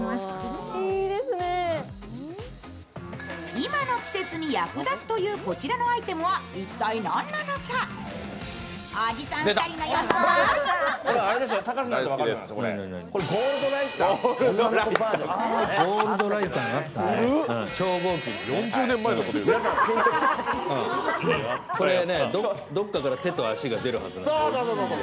今の季節に役立つというこちらのアイテムは一体、何なのかおじさん２人の予想は？